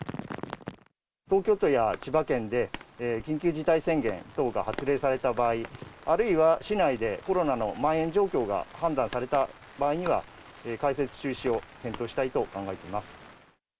東京都や千葉県で緊急事態宣言等が発令された場合、あるいは市内でコロナのまん延状況が判断された場合には、開設中止を検討したいと考えています。